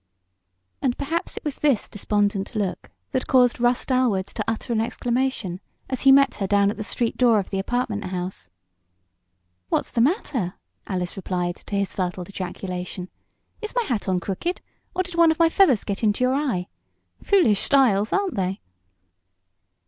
And perhaps it was this despondent look that caused Russ Dalwood to utter an exclamation as he met her down at the street door of the apartment house. "What's the matter?" Alice replied to his startled ejaculation. "Is my hat on crooked; or did one of my feathers get into your eye? Foolish styles; aren't they?"